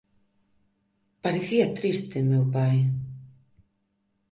Parecía triste, meu pai.